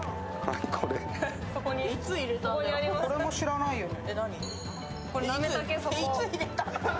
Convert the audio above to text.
これも知らないよね。